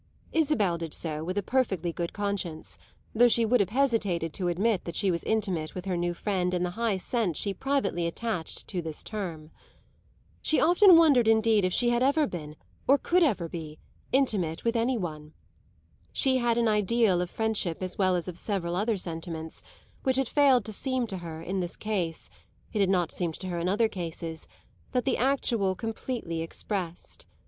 Isabel did so with a perfectly good conscience, though she would have hesitated to admit she was intimate with her new friend in the high sense she privately attached to this term. She often wondered indeed if she ever had been, or ever could be, intimate with any one. She had an ideal of friendship as well as of several other sentiments, which it failed to seem to her in this case it had not seemed to her in other cases that the actual completely expressed it.